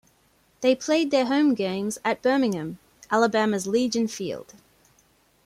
They played their home games at Birmingham, Alabama's Legion Field.